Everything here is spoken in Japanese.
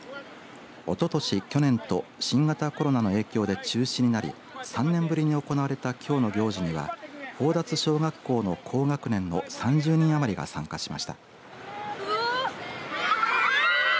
おととし、去年と新型コロナの影響で中止になり３年ぶりに行われたきょうの行事には宝達小学校の高学年の３０人余りが参加しました。